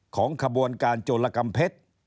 ขบวนการโจรกรรมเพชร